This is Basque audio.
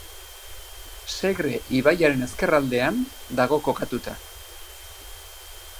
Segre ibaiaren ezkerraldean dago kokatuta.